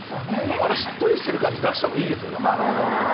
あの、しっとりしてる感じを出した方がいいですよ。